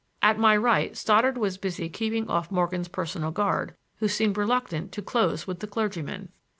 At my right Stoddard was busy keeping off Morgan's personal guard, who seemed reluctant to close with the clergyman.